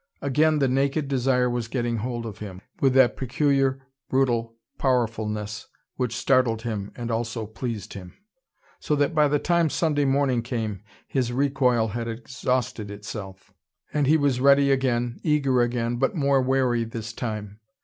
Again the naked desire was getting hold of him, with that peculiar brutal powerfulness which startled him and also pleased him. So that by the time Sunday morning came, his recoil had exhausted itself, and he was ready again, eager again, but more wary this time.